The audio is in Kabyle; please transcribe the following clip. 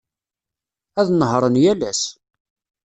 Ad nehhṛen yal ass.